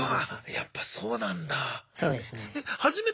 やっぱそうなんだ。